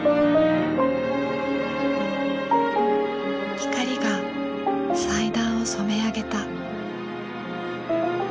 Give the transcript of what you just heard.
光が祭壇を染め上げた。